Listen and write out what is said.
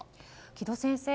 城戸先生